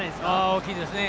大きいですね。